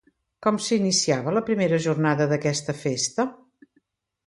Com s'iniciava la primera jornada d'aquesta festa?